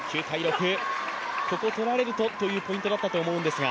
ここ、とられるとというポイントだったと思うんですが。